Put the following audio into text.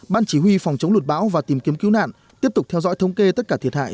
ban chỉ huy phòng chống lụt bão và tìm kiếm cứu nạn tiếp tục theo dõi thống kê tất cả thiệt hại